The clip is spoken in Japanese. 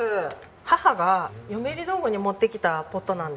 母が嫁入り道具に持ってきたポットなんですよ。